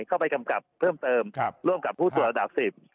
เข้าไปกำกลับเพิ่มเติมครับร่วมกับผู้ตรวจระดับสิบ